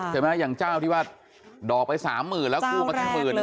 อย่างเจ้าที่ว่าดอกไปสามหมื่นแล้วกู้มาแค่หมื่น